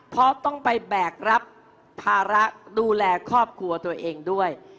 เพราะต้องไปแบกรับภาระดูแลครอบครัวตัวเองด้วย